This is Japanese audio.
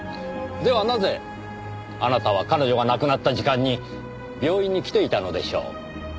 ではなぜあなたは彼女が亡くなった時間に病院に来ていたのでしょう？